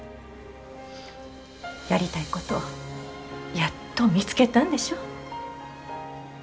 やりたいことやっと見つけたんでしょ？